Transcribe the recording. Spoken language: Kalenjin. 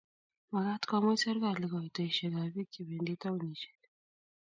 Magat komuch serkali koitosiekab bik chebendi taoinisiek